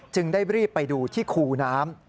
ได้รีบไปดูที่คูน้ำ